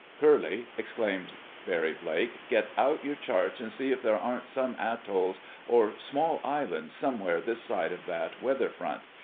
"Curly!" exclaimed Barry Blake. "Get out your charts and see if there aren't some atolls or small islands somewhere this side of that weather front.